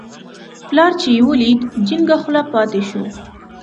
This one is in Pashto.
پلار چې یې ولید، جینګه خوله پاتې شو.